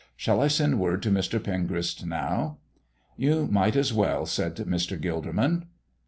Shall I send word to Mr. Pengrist now?" "You might as well," said Mr. Gilderman.